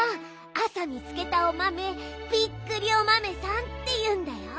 あさみつけたおまめびっくりおまめさんっていうんだよ！